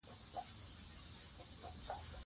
انګور د افغان ماشومانو د لوبو موضوع ده.